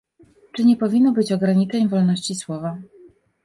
Czy nie powinno być ograniczeń wolności słowa?